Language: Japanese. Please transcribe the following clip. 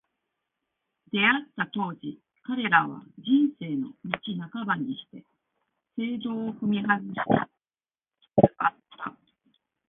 出逢った当時、彼らは、「人生の道半ばにして正道を踏み外し」つつあった。